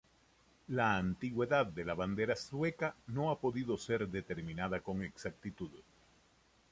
La antigüedad de la bandera sueca no ha podido ser determinada con exactitud.